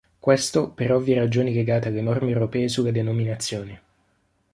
Questo per ovvie ragioni legate alle norme europee sulle denominazioni.